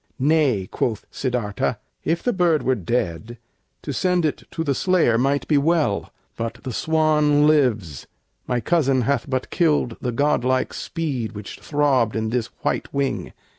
"Nay," quoth Siddârtha: "If the bird were dead, To send it to the slayer might be well, But the swan lives; my cousin hath but killed The godlike speed which throbbed in this white wing."